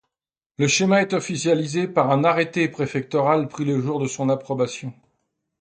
Le schéma est officialisé par un arrêté préfectoral pris le jour de son approbation.